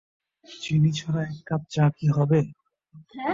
চিনি ছাড়া এক কাপ চা কি হবে?